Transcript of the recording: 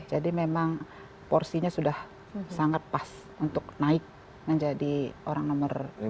jadi memang porsinya sudah sangat pas untuk naik menjadi orang nomor dua